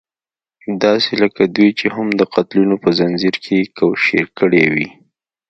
داسې لکه دوی چې هم د قتلونو په ځنځير کې کوشير کړې وي.